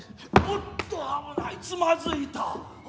おっと危ないつまづいた。